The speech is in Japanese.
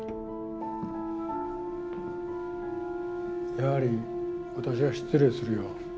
やはり私は失礼するよ。